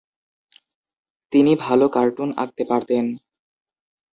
তিনি ভালো কার্টুন আঁকতে পারতেন।